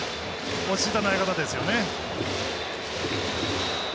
落ち着いた投げ方ですね。